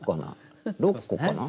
６個かな？